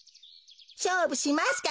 しょうぶしますか？